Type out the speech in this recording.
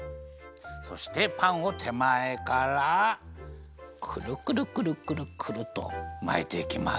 そしてパンをてまえからくるくるくるくるくるっとまいていきます。